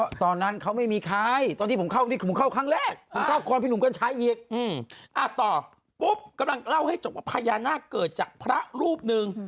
อ่ะต่อปุ๊บกำลังเล่าให้จงว่าพยานาคเกิดจากพระรูปนึง